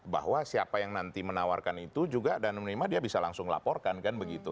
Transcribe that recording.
bahwa siapa yang nanti menawarkan itu juga dan menerima dia bisa langsung laporkan kan begitu